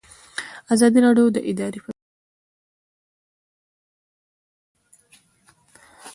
ازادي راډیو د اداري فساد په اړه د سیاستوالو دریځ بیان کړی.